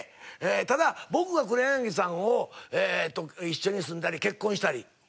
ただ僕が黒柳さんと一緒に住んだり結婚したりこのあとね。